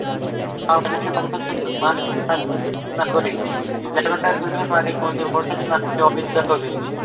বাংলাদেশি বংশোদ্ভূত মার্কিন নাগরিক ল্যাভেন্ডার গ্রুপের মালিক মনজুর মোরশেদের নাতনি অবিন্তা কবীর।